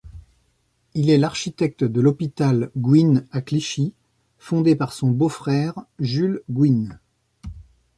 Il est l'architecte de l'Hôpital Goüin à Clichy, fondé par son beau-frère, Jules Goüin.